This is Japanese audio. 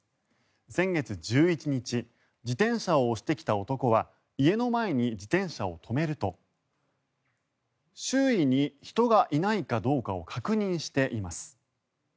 先月１１日自転車を押してきた男は家の前に自転車を止めると周囲に人がいないかどうかを確認しています。